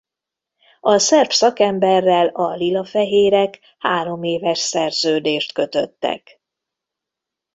A szerb szakemberrel a lila-fehérek hároméves szerződést kötöttek.